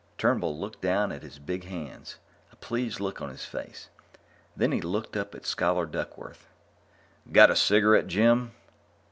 Turnbull looked down at his big hands, a pleased look on his face. Then he looked up at Scholar Duckworth. "Got a cigarette, Jim?